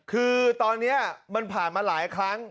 คือตอนนี้มันผ่านมาหลายครั้ง